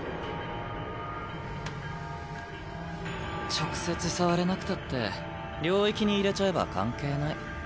直接触れなくたって領域に入れちゃえば関係ない。